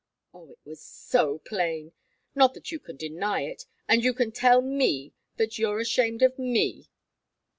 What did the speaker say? Oh, it was so plain! Not that you can deny it and you tell me that you're ashamed of me!